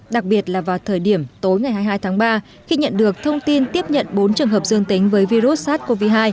đặc biệt là vào thời điểm tối ngày hai mươi hai tháng ba khi nhận được thông tin tiếp nhận bốn trường hợp dương tính với virus sars cov hai